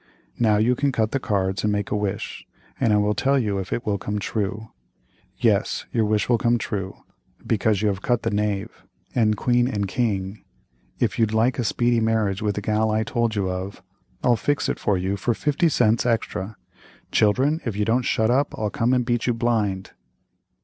Now you can cut the cards and make a wish and I will tell you if it will come true. Yes, your wish will come true, because you have cut the knave, and queen, and king—if you'd like a speedy marriage with the gal I told you of, I'll fix it for you for fifty cents extra; children if you don't shut up I'll come and beat you blind."